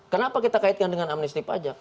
kenapa kita kaitkan dengan amnesti pajak